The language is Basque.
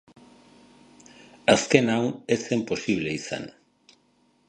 Azken hau, ez zen posible izan.